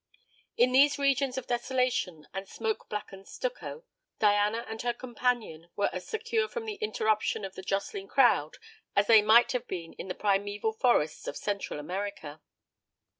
In these regions of desolation and smoke blackened stucco Diana and her companion were as secure from the interruption of the jostling crowd as they might have been in the primeval forests of Central America.